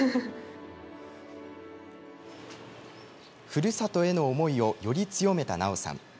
ふるさとへの思いをより強めた奈緒さん。